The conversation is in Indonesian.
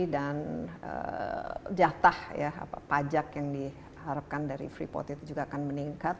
dan jatah ya apa pajak yang diharapkan dari free port itu juga akan meningkat